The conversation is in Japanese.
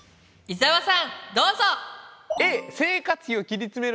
伊沢さんどうぞ！